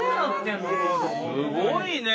すごいね！